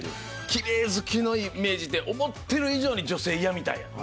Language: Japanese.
きれい好きのイメージって思ってる以上に女性嫌みたいやねん。